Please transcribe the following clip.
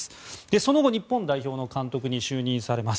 その後、日本代表の監督に就任されます。